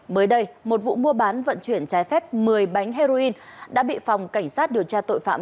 mới đây một vụ mua bán vận chuyển trái phép một mươi bánh heroin đã bị phòng cảnh sát điều tra tội phạm